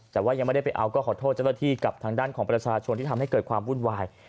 แต่ว่ายังไม่ได้ไปเอาก็ขอโทษเจ้าหน้าที่กับทางด้านของประชาชนที่ทำให้เกิดความวุ่นวาย